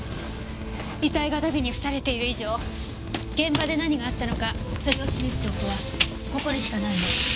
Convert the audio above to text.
遺体が荼毘に付されている以上現場で何があったのかそれを示す証拠はここにしかないの。